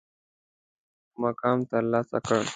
تر ټولو جګ مقام ترلاسه کړ.